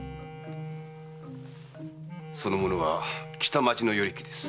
その者は北町の与力です。